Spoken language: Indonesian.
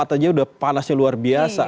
tiga puluh empat aja udah panasnya luar biasa